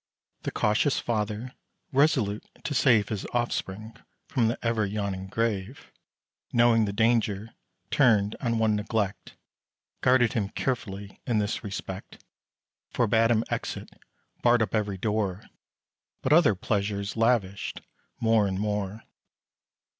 The cautious father, resolute to save His offspring from the ever yawning grave, Knowing the danger turned on one neglect, Guarded him carefully, in this respect; Forbad him exit; barred up every door; But other pleasures lavished more and more.